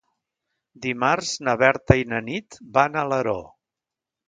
Dimarts na Berta i na Nit van a Alaró.